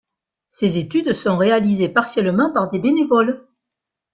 Ces études sont réalisées partiellement par des bénévoles.